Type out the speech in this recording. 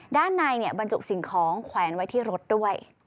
ด้านในบรรจุสิ่งของแขวนไว้ที่รถด้วย